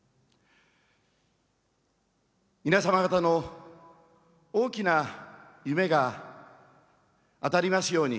皆様方の大きな夢が当たりますように。